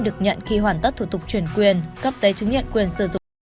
được nhận khi hoàn tất thủ tục chuyển quyền cấp giấy chứng nhận quyền sử dụng đất tái định cư